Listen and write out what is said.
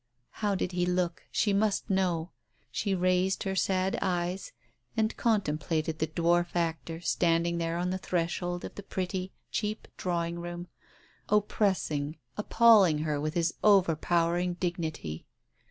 How did he look ? She must know. She raised her sad eyes, and contemplated the dwarf actor standing there on the threshold of the pretty cheap drawing room, oppressing, appalling her with his overpowering dignity.